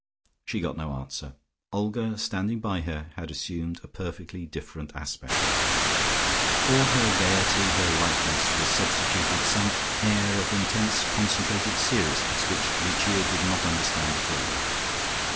She got no answer. Olga standing by her, had assumed a perfectly different aspect. For her gaiety, her lightness was substituted some air of intense concentrated seriousness which Lucia did not understand at all.